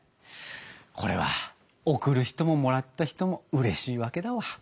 これは贈る人ももらった人もうれしいわけだわ。